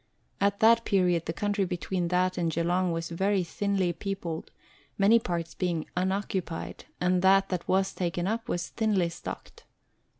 At that period the country between that and Geelong was very thinly peopled many parts being unoccupied, and that that was taken up was thinly stocked.